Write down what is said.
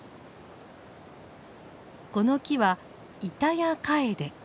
この木はイタヤカエデ。